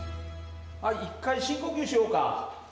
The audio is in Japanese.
はい１回深呼吸しようか。